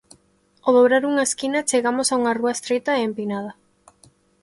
Ó dobrar unha esquina, chegamos a unha rúa estreita e empinada.